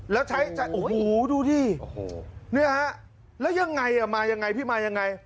แล้วใช้จากโอ้โหดูดินี่ฮะแล้วยังไงพี่มายังไง